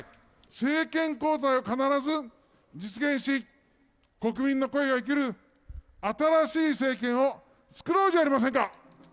政権交代を必ず実現し、国民の声が生きる新しい政権を作ろうじゃありませんか。